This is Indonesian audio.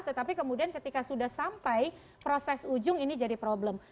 tetapi kemudian ketika sudah sampai proses ujung ini jadi problem